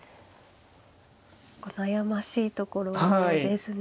悩ましいところですね。